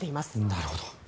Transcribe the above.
なるほど。